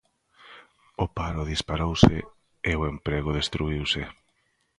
O paro disparouse e o emprego destruíuse.